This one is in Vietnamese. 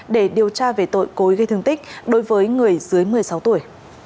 để điều tra về tội cối gây thương tích đối với người dưới một mươi sáu tuổi